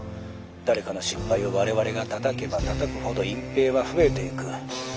誰かの失敗を我々がたたけばたたくほど隠蔽は増えていく。